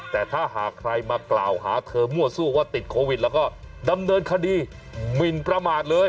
แต่ถ้าหากใครมากล่าวหาเธอมั่วสู้ว่าติดโควิดแล้วก็ดำเนินคดีหมินประมาทเลย